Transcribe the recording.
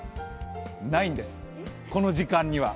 ないんです、この時間には。